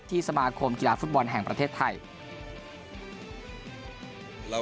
สมาคมกีฬาฟุตบอลแห่งประเทศไทย